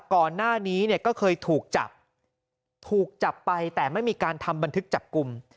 ก่อนหน้านี้เนี่ยก็เคยถูกจับถูกจับไปแต่ไม่มีการทำบันทึกจับกลุ่ม